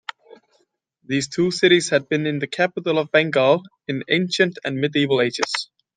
These two cities had been the capital of Bengal in ancient and medieval ages.